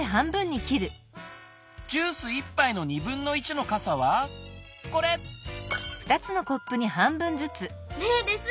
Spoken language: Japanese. ジュース１ぱいののかさはこれ！ねぇレス。